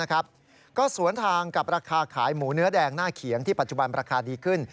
ก็สวนทางกับราคาขายหมูเนื้อแดงหน้าเขียงที่ปัจจุบันราคาดีขึ้น